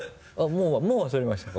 もう忘れましたか？